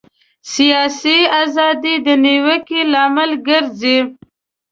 سیاسي ازادي د نیوکې لامل ګرځي.